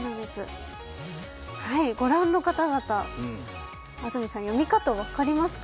ご覧の方々、安住さん読み方分かりますか？